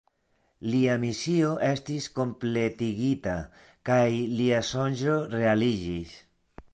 Lia misio estis kompletigita kaj lia sonĝo realiĝis.